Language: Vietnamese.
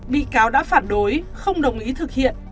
bị cáo đã phản đối không đồng ý thực hiện